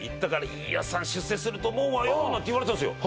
「飯尾さん出世すると思うわよ」なんて言われたんですよ